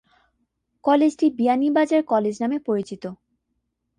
কলেজটি "বিয়ানীবাজার কলেজ" নামে পরিচিত।